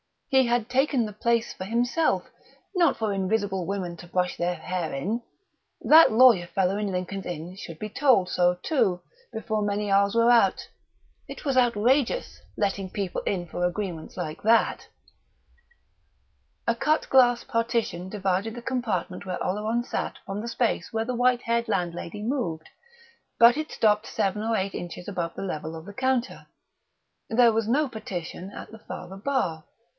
He had taken the place for himself, not for invisible women to brush their hair in; that lawyer fellow in Lincoln's Inn should be told so, too, before many hours were out; it was outrageous, letting people in for agreements like that! A cut glass partition divided the compartment where Oleron sat from the space where the white haired landlady moved; but it stopped seven or eight inches above the level of the counter. There was no partition at the farther bar.